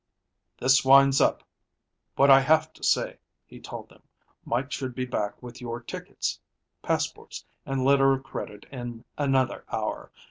"This winds up what I have to say," he told them. "Mike should be back with your tickets, passports, and letter of credit in another hour.